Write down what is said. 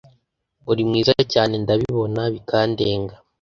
Urimwiza cyane ndabibona bikandenga